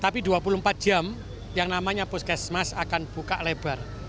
tapi dua puluh empat jam yang namanya puskesmas akan buka lebar